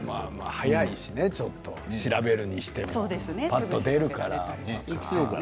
早いしね調べるにしてもぱっと出るからね。